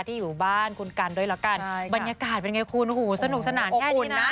ที่อยู่บ้านคุณกันด้วยละกันบรรยากาศเป็นยังไงคุณสนุกสนานแค่นี้นะ